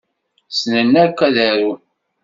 Ssnen akk ad arun.